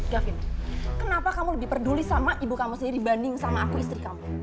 david kenapa kamu lebih peduli sama ibu kamu sendiri dibanding sama aku istri kamu